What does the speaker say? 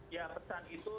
ya pesan itu